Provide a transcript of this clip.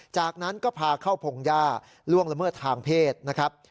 จากนั้นก็พาเข้าพงหญ้าล่วงละเมิดทางเพศนะครับ